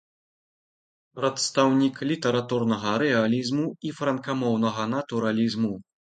Прадстаўнік літаратурнага рэалізму і франкамоўнага натуралізму.